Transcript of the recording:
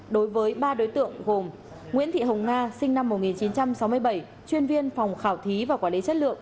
đối với ba đối tượng gồm nguyễn thị hồng nga sinh năm một nghìn chín trăm sáu mươi bảy chuyên viên phòng khảo thí và quản lý chất lượng